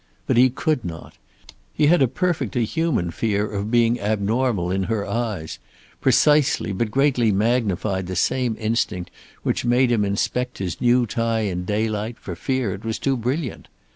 But he could not. He had a perfectly human fear of being abnormal in her eyes, precisely but greatly magnified the same instinct which had made him inspect his new tie in daylight for fear it was too brilliant.